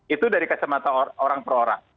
itu dari kacamata orang per orang